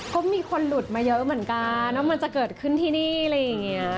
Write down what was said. ก็มีคนหลุดมาเยอะเหมือนกันว่ามันจะเกิดขึ้นที่นี่อะไรอย่างนี้